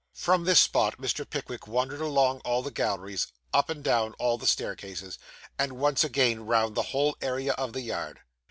From this spot, Mr. Pickwick wandered along all the galleries, up and down all the staircases, and once again round the whole area of the yard.